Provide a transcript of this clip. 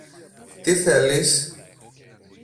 Τι θέλεις;